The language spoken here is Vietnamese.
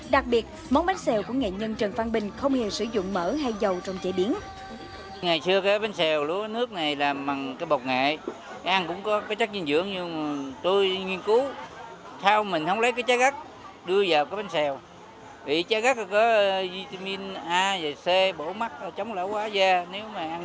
đặc biệt món bánh xèo của nghệ nhân trần phan bình không hề sử dụng mỡ hay dầu trong chế biến